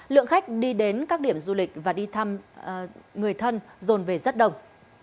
lượng khách đi đến các điểm du lịch và đi thăm người thân rồn về rất đông